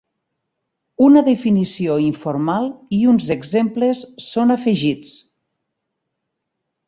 Una definició informal i uns exemples són afegits.